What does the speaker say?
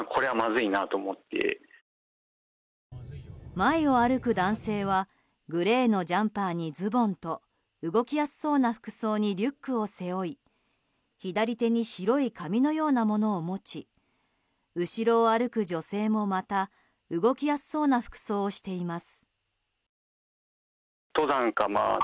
前を歩く男性はグレーのジャンパーにズボンと動きやすそうな服装にリュックを背負い左手に白い紙のようなものを持ち後ろを歩く女性もまた動きやすそうな服装をしています。